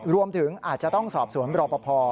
รวมถึงอาจจะต้องสอบสวนรอปภ